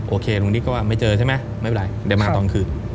ลุงนิดก็ไม่เจอใช่ไหมไม่เป็นไรเดี๋ยวมาตอนคืน